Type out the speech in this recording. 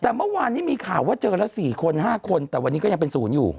แต่เมื่อวานนี้มีข่าวว่าเจอละ๔คน๕คนแต่วันนี้ก็ยังเป็นศูนย์อยู่